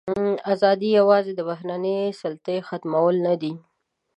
ازادي یوازې د بهرنۍ سلطې ختمول نه دي.